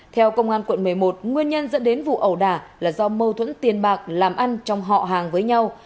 theo công an quận một mươi một nguyên nhân dẫn đến vụ ẩu đả là do mâu thuẫn tiền bạc làm ăn trong họ hàng với nhau